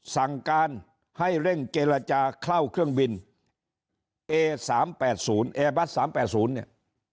สั่งการให้เร่งเจรจาเข้าเครื่องบินเอ๓๘๐เนี่ย